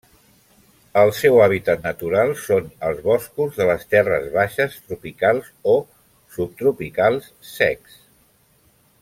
El seu hàbitat natural són els boscos de les terres baixes tropicals o subtropicals secs.